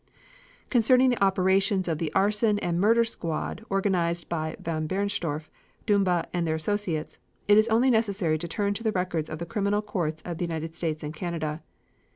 Concerning the operations of the arson and murder squad organized by von Bernstorff, Dumba and their associates, it is only necessary to turn to the records of the criminal courts of the United States and Canada.